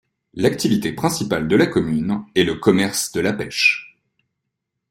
L'activité principale de la commune est le commerce de la pêche.